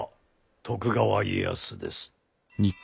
徳川家康です。